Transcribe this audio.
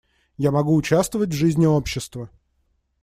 Я могу участвовать в жизни общества.